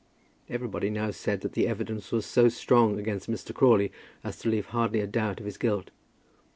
Everybody now said that the evidence was so strong against Mr. Crawley as to leave hardly a doubt of his guilt.